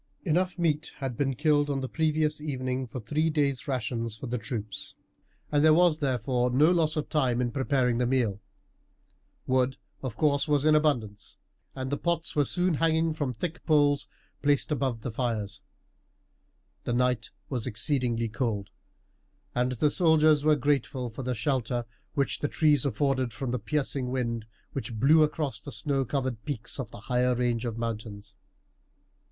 Enough meat had been killed on the previous evening for three days' rations for the troops, and there was therefore no loss of time in preparing the meal. Wood, of course, was in abundance, and the pots were soon hanging from thick poles placed above the fires. The night was exceedingly cold, and the soldiers were grateful for the shelter which the trees afforded from the piercing wind which blew across the snow covered peaks of the higher range of mountains.